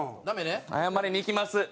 謝りに行きます。